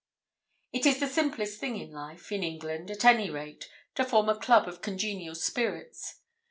It is the simplest thing in life, in England, at any rate, to form a club of congenial spirits.